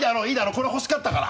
これ欲しかったから。